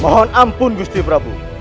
mohon ampun gusti prabu